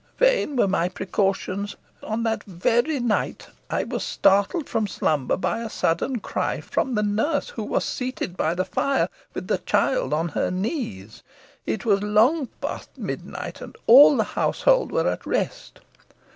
Vain were my precautions. On that very night, I was startled from slumber by a sudden cry from the nurse, who was seated by the fire, with the child on her knees. It was long past midnight, and all the household were at rest.